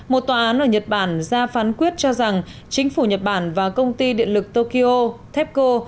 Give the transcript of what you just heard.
một tòa án ở nhật bản ra phán quyết cho rằng chính phủ nhật bản và công ty điện lực tokyo tepco